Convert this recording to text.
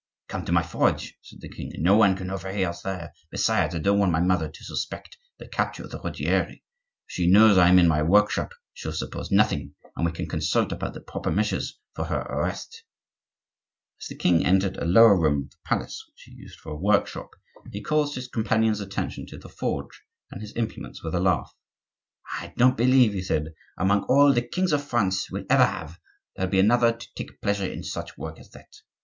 "Come to my forge," said the king, "no one can overhear us there; besides, I don't want my mother to suspect the capture of the Ruggieri. If she knows I am in my work shop she'll suppose nothing, and we can consult about the proper measures for her arrest." As the king entered a lower room of the palace, which he used for a workshop, he called his companion's attention to the forge and his implements with a laugh. "I don't believe," he said, "among all the kings that France will ever have, there'll be another to take pleasure in such work as that.